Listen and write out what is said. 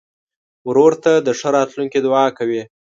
ورور ته د ښه راتلونکي دعا کوې.